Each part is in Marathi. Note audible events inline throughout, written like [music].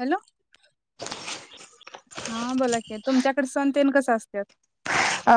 हॅलो हा बोला की, तुमच्याकड सण तेन कसं असत्यात अ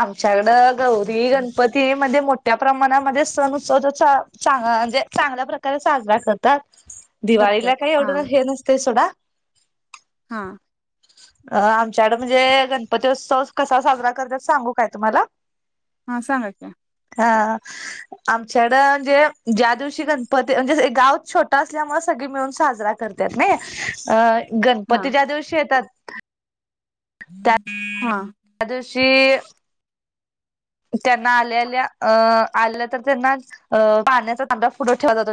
आमच्याकडं गौरी गणपती मध्ये मोठं त्या प्रमाणामध्ये सण उत्सव चा चा चांग म्हणजे चांगल्या प्रकारे साजरा करतात. दिवाळीला करत्यात काय हा एवढं हे नसतय सोडा हा अं आमच्याकड म्हणजे गणपती उत्सव कसा साजरा करतात सांगू काय तुम्हाला? हा सांगा क हा आमच्याकडं म्हणजे ज्या दिवशी गणपती म्हणजे गावच छोटं असल्यामुळ सग ळी मिळून साजरा करत्यात नाय अ हा गणपती ज्या दिवशी येतात हा कादशी त्यांना आल्याआल्या अं आलं तर त्यांना अ पाण्याचा तांब्या पुढं ठेवला जातो.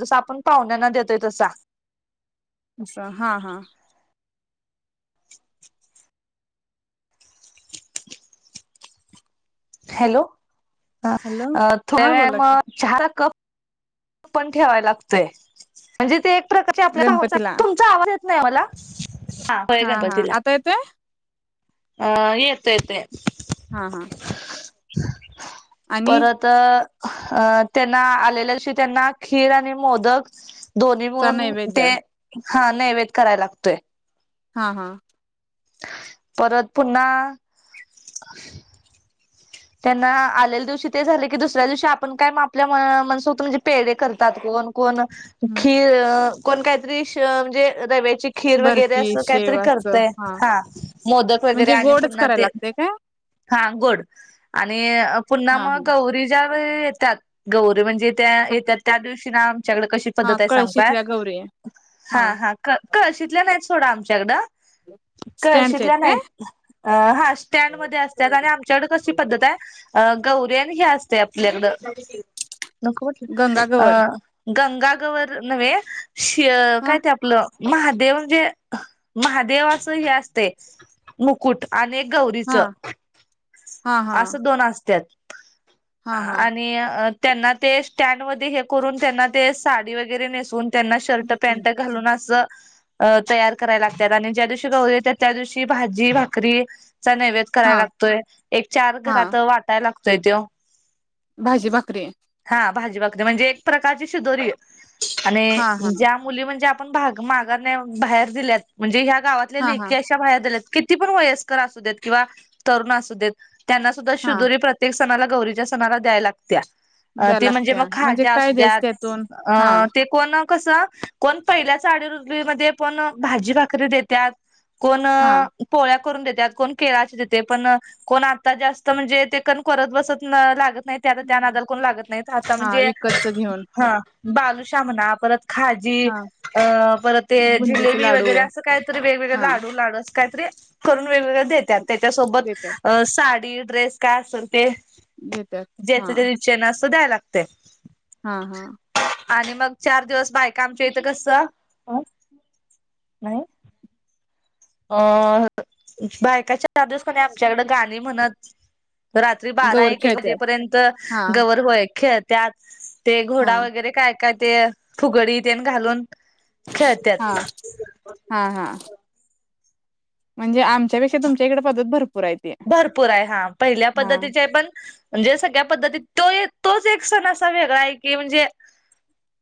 जसं आपण पाहुण्यांना देतोय तसा असा हा हा हॅलो हा हॅलो अ हा थोड्यावेळा बोला म की चहाचा कप पण ठेवाय लागतोय म्हणजे ते एक प्रकारची आपला गणपतीला तुमचा आवाज येत नाय मला हा हा आता येतोय. ह येतोय येतोय हा हा आणि परत अ अ त्यांना आलेल्यादिवशी त्यांना खीर आणि मोदक दोन्ही चा मिळून ते नैवेद्य हा नैवेद कराय लागतोय. हा हा- परत पुन्हा त्यांना आलेल्या दिवशी ते झाले की दुसऱ्या दिवशी आपण काय आपल्या म मनसोक्त म्हणजे पेडे करतात कोण कोण हं. खीर कोण काहीतरी शी म्हणजे रवे ची खीर वगैरे अस बर्फी शेव काहीतरी असं करतय हा मोदक वगैरे म्हणजे आणि गोडच पुन्हा करायला ते लागतय काय हा गोड आणि पुन्हा हा मग हा गौरी ज्या वेळ येतात गौरी म्हणजे त्या हा येत त्या दिवशी ना आच्याकड कशी हा पद्धत आहे सांगू काय? कळशीतल्या गौरी हा हा क कळशीतल्या नाहीत सोडा आमच्याकडं स्टँडच्या कळशीतल्या आहेत नाही अ हा स्टँड मध्ये काय असत्यात आणि आमच्याकड कशी पद्धत आहे गौरी आणि हे असतय आपल्याकड नको म्हटलं गंगागवर अ गंगागवर न्हवे शि हा काय ते आपलं महादेव म्हणजे महादेवाच हे असते मुकुट अनेक गौरीच हा हा हा असं दोन असतात. हा हा आणि त्यांना ते स्टँड मध्ये हे करून त्यांना ते साडी वगैरे नेसून. त्यांना शर्ट नेसून? पॅन्ट घालून असं अ तयार करायला लागतात. आणि ज्या दिवशी गौरी येतात त्या दिवशी भाजी, भाकरी. चा नैवेद हा करायला लागतोय. एक चार हा घरात वाटायला लागतोय तो. भाजी, भाकरी? हा भाजी, भाकरी म्हणजे एक प्रकारची शिदोरी आहे. आणि हा हा ज्या मुली म्हणजे आपल्या णग मागा बाहेर दिल्यात म्हणजे ह्या गावातले हा हा लेखी अशा बाहेर दिल्यात. किती पण वयस्कर असू देत किंवा तरुण असू द त्यांना सुद्धा हा शुदुरी प्रत्ये सणाला गौरीच्या सणाला द्याय लागत्या. अ द्या ते म्हणजे मग लागत्या म्हणजे खाज्या काय असु द्या द्यायचं त्यातून हा अ ते कोण कस कोण पहिल्या साडीरुली म पण भाजी भाकरी देत्यात. कोण हा पोळ्या करून देतात. कोण केळाची देते पण कोण आता जास्त म्हणजे, ते कण करत बसत न लागत नाही त्या त्या नादाल कोण लागत नाही. आता हा म्हणजे विकतच घेऊन हा बालूशामना परत खाजी हा अ परत ते बुंदीचे जिलेबी लाडू वगैरे असं काहीतरी वेगवेगळे हा लाडू लाडू असं काहीतरी करून वेगवेगळे देतात त्याच्यासोबत देत्यात अ साडी ड्रेस काय असेल ते देत्यात ज्या हा च्या तेच्या इछेन असत द्यायला लागते. हा हा. आणि मग चार दिवस बायका आमच्या यथं कस अ बायकाच्या धूस कोणी आमच्याकडे गाणी म्हणत. रात्री बारा गवर एक एक खेळत्यात वाजेपर्यंत हा गवर होय खेळत्यात. ते हा घोडा वगैरे काय काय ते फुगडी ते घालून हा खेळत्यात. हा हा म्हणजे आमच्यापेक्षा तुच्या इकडे पदत भरपू भरपूर आहे. हा पहिल्या पद्धतीचे आहे पण म्हणजे सगळ्या पद्धतीत तो एक तोच एक सण असा वेगळा आहे की म्हणजे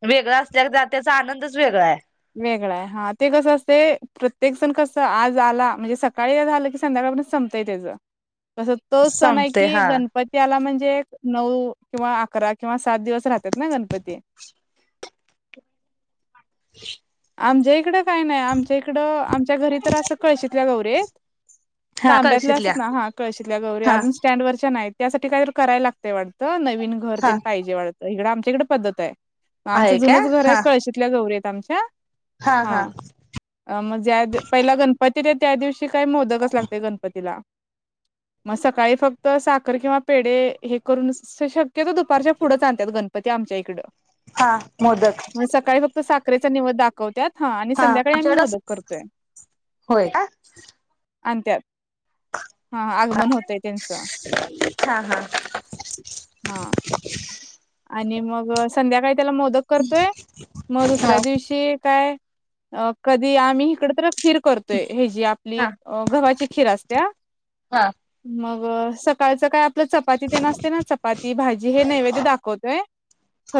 वेगळां असल्या त्याचा आनंदच वेगळा आहे. वेगळा आहे. हा ते कसं असते प्रत्येक जण कस आज आला म्हणजे सकाळी झालं की संध्याका पर्यंत संपते त्याचा तसं तो सन संपते की हा गणपतीआला म्हणजे म्हण नऊ किंवा अकरा किंवा सात दिवस राहतात ना गणपती? आमच्या इकडं काय नाही आमच्या इकडं आमच्या घरी तर असं कळशीतल्या गौरी. हा तांब्यातले कळशीतल्या असत ना हा कळशीतल्या गौरी हा अजून स्टँड वरच्या नाही. त्यासाठी काय तर करायला लागतंय वाटतं नवीन घर ते हा पाहिजे वाटतं हकडं आमच्याकडे पद्धत आहे. आमचं आहे का जुनच घर आहे हा कळशीतल्या गौरी आहेत आमच्या.. हा मग पहिला गणपतीत त्या दिवशी श काय मोदकच लागतेय गणपतीला. मग सकाळी फक्त साखर किंवा पेढ हे करून शक क तो दुपारच्या पुढच आणतात गणपती आमच्या इकडे.. हा मोदक साखरेचा नैवेद्य दाखवतात. हा आणि संध्याकाळी आम्ही आमच्याकडे अस मोदक करतोय होय का आणि त्यात हा आगमन होतय त्यांचं. हा हा हा आणि मग संध्याकाळी त्याला मोदक करतोय मग दुसऱ्या हा दिवशी काय अ कधी आम्ही इकड तर. खीर करतोय हे जी आपली हा गव्हाची खीर असते हा मग. अं सकाळचं काय आपलं चपाती ते न असते ना चपाती भाजी हे नैवेद्य दा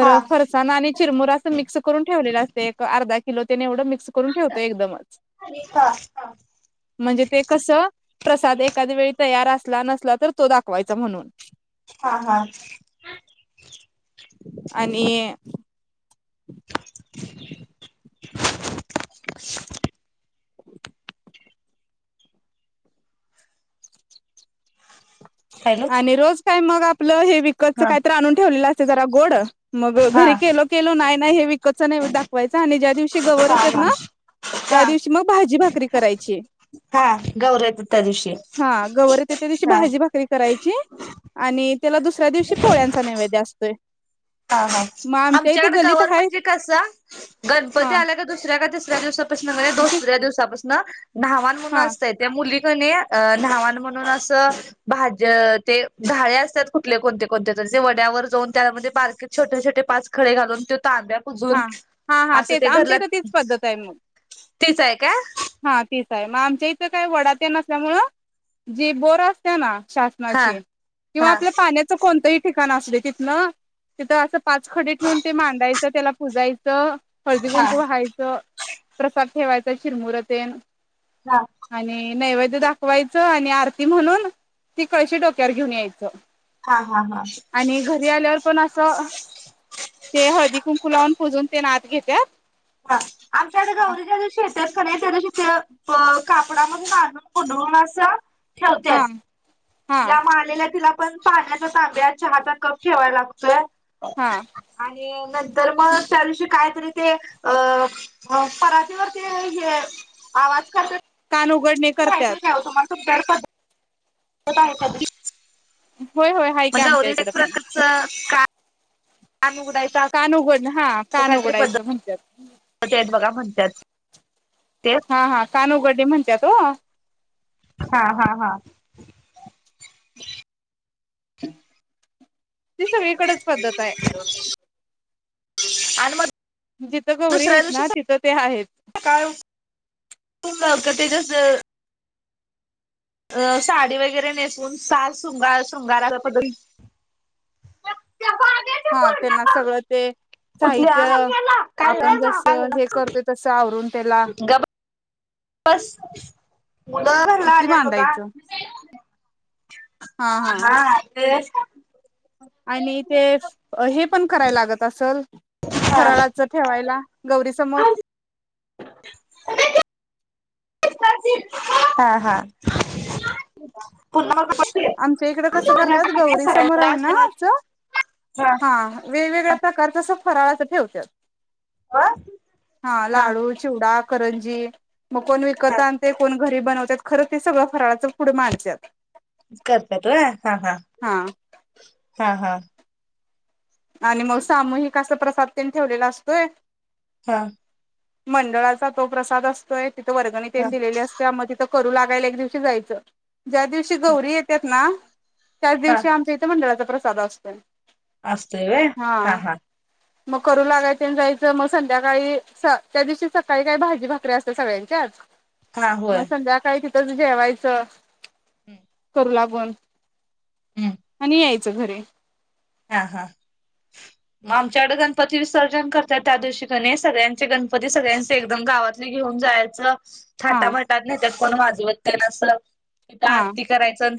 हा फरसाणा आणि चिरमुरा असं मिक्स करून ठेवलेलं असते एक अर्धा किलो ते येवड ड मिक्स करून ठेवतोय एकदमचं हा म्हणजे ते कसं प्रसाद एखाद वेळी तयार असला नस सला तर तो दाखवायचा म्हणून हा हा आणि [unintelligible] [unintelligible] हॅलो आणि रोज काय मग आपलं हे विकतचं हा कायतर आणून ठेवलेलं असते जरा गोड मग हा घरी केलो केलो नाइ नाइ हे विकतचा नैवेद्य दाखवायचा आणि ज्या दिव शी गवर येत्यात हा ना हा त्या दिवशी म भाजी भाकरी करायची. हा गवर येत्यात त्या दिवशी. ची हा भाजी भाकरी करायची आणि त्याला दुसऱ्या दिवशी पोळ्यांचा नैवेद्य असतोय. हा हा मग आमच्या इथं आमच्याकडे गलीत गवर आहे म्हणजे कसं गणपती हा आल्या का दुसऱ्या का तिस ऱ्या दिवसापसन [unintelligible] दुसऱ्या दिवसापसन नाहवान म्हणून हा असतय त्या मुली कनी नाहवाण म्हणून अस भाज ते झाळे असतात कुठले कोणते कोणते त जे वड्यावर जाऊन त्यामध्ये बारके छोटे छोटे पाच खडे घालून तांब्या हा पुजून हा हा असं तेच ते आमच्या घरलात इथं तीच पद्धत आहे मग तेच हाय काय? हा तेच हाय म आमच्या इथं काय वडा तेन नसल्यामुळं जी बोरं असत्या ना हा शासनाची हाय किंवा हा आपल्या पाण्याचं कोणतही ठि [unintelligible] असुदे तिथनं तिथं असं पाच खडे ठेवून ते मांडायचं त्याला पुजाय चं हळदी, हा कुंकू हा व्हायचं प्रसाद ठेवायचा चिरमुर तेन आणि नैवेद्य दाखवायचं आणि आर ती म्हणून ती कळशी डोक्यावर घेऊन यायचं. हा हा हा आणि घरी आल्यावर पण असं ते हळदी कुंकू लावून पूजून तेन आत घेत्यात. [unintelligible] आमच्यात हा गौरीच्या दिवशी [unintelligible] कापडामध्ये बांधून गुडळून असं ठेवत्यात हा तिला म आलेल्या तिला पण पाण्याच्या तांब्या चहाचा कप ठेवायला लागतोय हा आणि नंतर मग त्यादिवशी कायतरी ते अं म परातीवरती हे आवाज करत्या कान उघडणे करत्यात. तुमच्याकड पद्धत [unintelligible] होय होय हाय म की आमच्या गौरी इकडे एक पण प्रकारच का कान उघडण हा कान काहीतरी उघडायचं पद्धत म्हणत्यात. [unintelligible] बघा म्हणत्यात. हा हा कान उघडणी म्हणत्यात ओ. हा हा हा. ती सगळीकडेच पद्धत आहे आणि म जिथं गौरी आहेत ना तिथं ते आहेत. [unintelligible] ते जसं अं साडी वैगरे नेसून शाल शृंगार शृंगाराच्या [unintelligible] हा तेना सगळं ते कुठल्या साहित्य काय आपण जसं हे करतोय तसं आवरून त्याला गब बस [unintelligible] घरला ते आल्यात बघा. मांडायचं हा अं ते आणि ते हे पण कराय लागत असलं हा फराळाच ठेवायला गौरी समोर [inaudible] हा हा पु्हा म. आमच्या इकडं कसं करतत गौरी समोर आहे ना असल्यामुळे असं. हा वेगवेगळ्या प्रकारचस फराळाच ठेवत अ हा लाडू चिवडा, करंजी मग कोण विकत आणि ते कोण घरी बनवतात खरं ते सगळं फराळाचं फूड मारतत. करतत हा हा हा हा. आणि मग सामूहिक असा प्रसाद त्यांनी ठेवलेला असतोय. हा. मंडळाचा तो प्रसाद असतोय तिथ वर्गणीितने हा दिलेली असते मग तिथं. करू लागायला एक दिवशी जायचं ज्या दिवशी गौरी येतात ना. त्याच हा दिवशी आमच्या इथे मंडळाचा प्रसाद असतो. असतय हा हा. मग करू लागायच जायचं मग संध्याकाळी त्या दिवशी सकाळी काही भाजी भाकरी्या असत सगळ्यांच्याच हा होय मग संध्याकाळी ति च जेवायचं. हम्म. करू लागून हम्म आणि यायचं घर हा हा. मग आमच्याकडे गणपती विसर्जन करतात त्या दिवशीक सगळ्यांचे गणपती सगळ्यांचे एकदम गावात घेऊन जायच. हा छटा म्हतात नाही त्यात पण माजूवतसंथ हा आरती करायचं.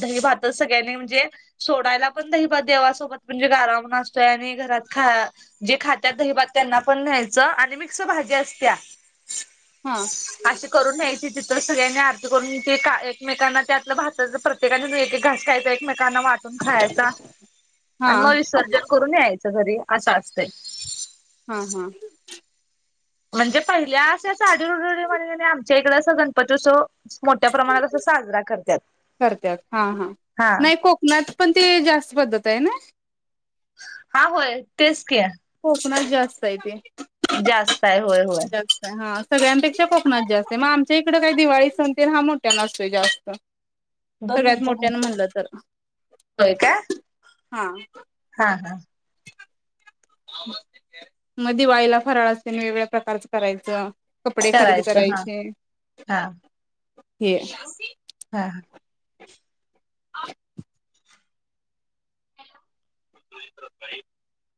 दही भात सगळ्यांनी म्हणजे सोडायला पण द देवासोबत म्हणजे गाराम असतोय आणि घरात खा जे खात्या दहिबात त्यांना पण न्यायचं. आणि मिक भाजी असत्या हा अ करून घ्याय. तर सगळ्यांनी आरती करून ते का एकमेकांना त्यातलं भात प्रत्येकाने एक एक घास खायचा एकमे कना वाटून खायचा. हा आणि मग विसर्जन करून यायचं घरी असं असतंय. हा हा. म्हणजे पहिल्या असे साडी रुड म्हण आमच्या इकडे अस गणपती उत्सव मोठ्या प्रमाणात असं साजरा करतात. करतत हा हां हा नाही कोकणात पण ते जास्त पद्धत आहे ना. हा होय तेच क कोकणात जास्त आहे तेे. जास्त आहे होय होय जास्त हा सगळ्यांपेक्षा कोकणात जास्त आहे मग आमच्या इकडं काही दिवाळी सणतील हा मोठ्या न असतो जास्त दोन सगळ्यात मिनिटं मोठ्यान म्हणलं तर. होय काय? हा. हा हा. मग दिवाळीला फराळ असते आणि वेगवेगळ्या प्रकारचं करायचं. कपडे खरेदी करायचं हा करायचे हा हा हे. हा [unintelligible] [unintelligible]